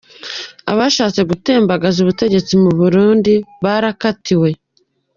Abashatse gutembagaza ubutegetsi mu Burundi bakatiwe.